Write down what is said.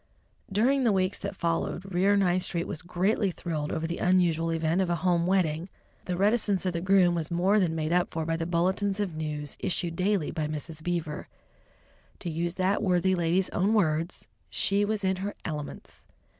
During the weeks that followed, Rear Ninth Street was greatly thrilled over the unusual event of a home wedding. The reticence of the groom was more than made up for by the bulletins of news issued daily by Mrs. Beaver. To use that worthy lady's own words, "she was in her elements!"